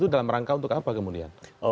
itu dalam rangka untuk apa kemudian